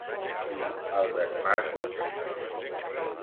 I el d'en Marcus?